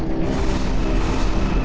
aku akan menang